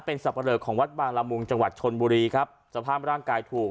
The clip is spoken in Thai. เป็นสับปะเลอของวัดบางละมุงจังหวัดชนบุรีครับสภาพร่างกายถูก